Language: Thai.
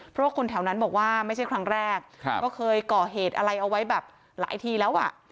เพราะว่าคนแถวนั้นบอกว่าไม่ใช่ครั้งแรกก็เคยก่อเหตุอะไรเอาไว้แบบหลายทีแล้วอ่ะ